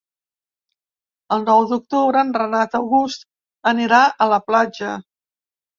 El nou d'octubre en Renat August anirà a la platja.